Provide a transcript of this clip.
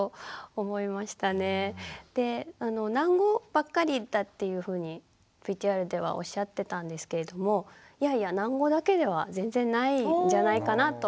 で喃語ばっかりだっていうふうにＶＴＲではおっしゃってたんですけれどもいやいや喃語だけでは全然ないんじゃないかなと見てて思ったんですよね。